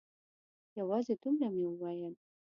یوازې دومره مې وویل.